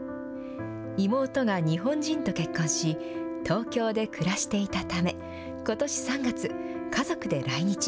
妹が日本人と結婚し、東京で暮らしていたため、ことし３月、家族で来日。